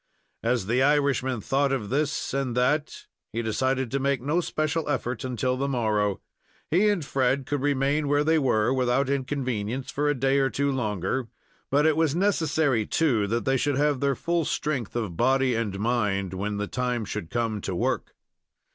As the Irishman thought of this and that, he decided to make no special effort until the morrow. He and Fred could remain where they were without inconvenience for a day or two longer, but it was necessary, too, that they should have their full strength of body and mind when the time should come to work.